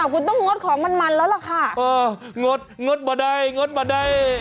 คุณต้องงดของมันมันแล้วล่ะค่ะเอองดงดมาได้งดมาได้